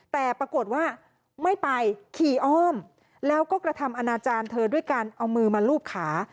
แต่ปรากฏว่าไม่ไปขี่อ้อมแล้วก็กระทำอนาจารย์เธอด้วยการเอามือมาลูบขา